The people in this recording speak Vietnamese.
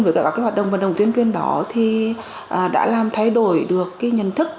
với các hoạt động vận động tuyên truyền đó đã làm thay đổi được nhân thức